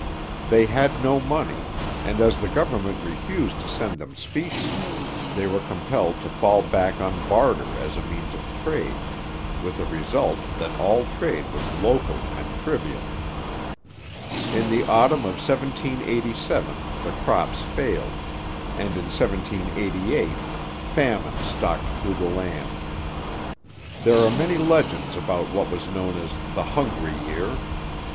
They had no money, and as the government refused to send them specie, they were compelled to fall back on barter as a means of trade, with the result that all trade was local and trivial. In the autumn of 1787 the crops failed, and in 1788 famine stalked through the land. There are many legends about what was known as 'the hungry year.'